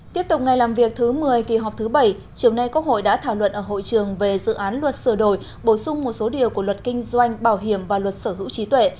tiếp tục ngày làm việc thứ một mươi kỳ họp thứ bảy chiều nay quốc hội đã thảo luận ở hội trường về dự án luật sửa đổi bổ sung một số điều của luật kinh doanh bảo hiểm và luật sở hữu trí tuệ